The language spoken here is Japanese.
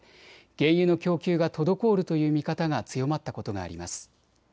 原油の供給が滞るという見方が強まったことがあります。